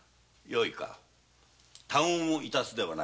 よいか他言を致すではないぞ。